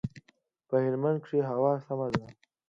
په هلمند کښي هوا سمه ده.